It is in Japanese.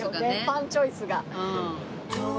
パンチョイスが。